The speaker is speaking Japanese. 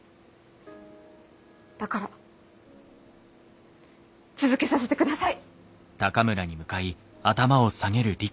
だから続けさせてください！